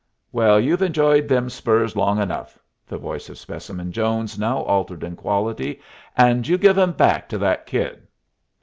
"Well, you've enjoyed them spurs long enough." The voice of Specimen Jones now altered in quality. "And you'll give 'em back to that kid."